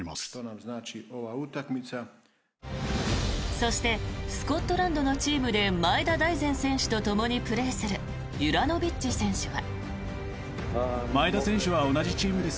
そしてスコットランドのチームで前田大然選手とともにプレーするユラノビッチ選手は。